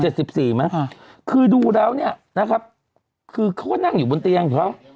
เจ็ดสิบสี่มั้ยค่ะคือดูแล้วเนี้ยนะครับคือเขาก็นั่งอยู่บนเตียงเขา